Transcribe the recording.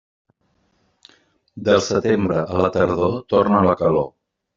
Del setembre a la tardor, torna la calor.